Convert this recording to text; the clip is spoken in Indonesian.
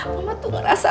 mama tuh ngerasa